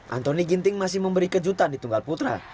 antoni ginting masih memberi kejutan di tunggal putra